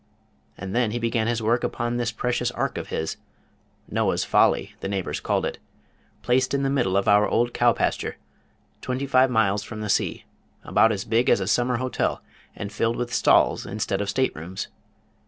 And then he began his work upon this precious ark of his Noah's Folly, the neighbors called it; placed in the middle of our old cow pasture, twenty five miles from the sea; about as big as a summer hotel, and filled with stalls instead of state rooms!